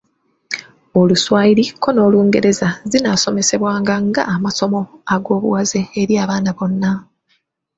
Oluswayiri ko n’Olungereza zinaasomesebwanga ng'amasomo ag’obuwaze eri abaana bonna.